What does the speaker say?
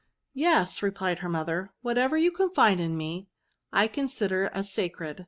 " Yes, " replied her mother, '^ whatever you coniSde to me, I consider as sacred."